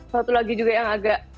satu lagi juga yang agak